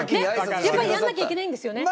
やっぱりやらなきゃいけないんですよね？